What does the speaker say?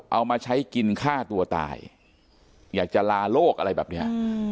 เอามาใช้กินฆ่าตัวตายอยากจะลาโลกอะไรแบบเนี้ย